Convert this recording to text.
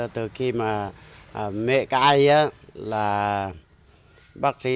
từ khi mẹ cái là bác sĩ